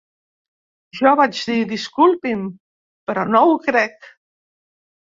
Jo vaig dir: "Disculpi'm, però no ho crec.